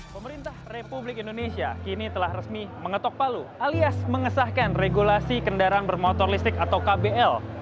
pemerintah republik indonesia kini telah resmi mengetok palu alias mengesahkan regulasi kendaraan bermotor listrik atau kbl